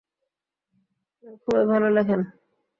উনি খুবই ভালো লেখেন।